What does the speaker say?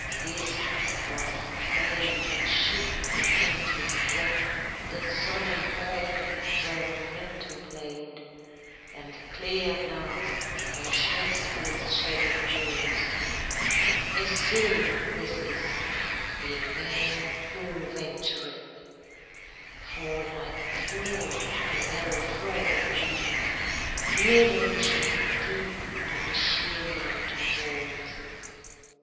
This was the flame that shook with Dante's breath ; The solenm organ whereon Milton played, And the clear glass where Shakespeare's shadow falls : A sea this is — beware who ventureth I For like a fjord the narrow floor b laid Mid ocean deep to the sheer mountain walls.